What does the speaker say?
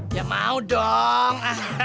ya mau dong